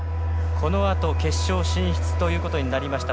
このあと決勝進出ということになりました。